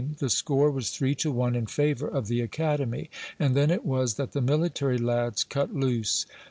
The score was three to one in favor of the academy. And then it was that the military lads cut loose.